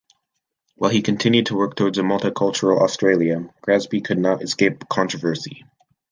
While he continued to work towards a multicultural Australia, Grassby could not escape controversy.